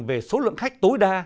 về số lượng khách tối đa